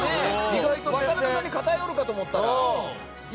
渡辺さんに偏るかと思ったら。